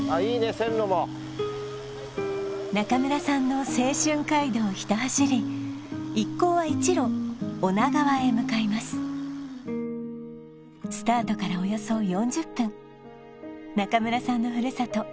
線路も中村さんの青春街道をひた走り一行は一路女川へ向かいますスタートからおよそ４０分中村さんのふるさと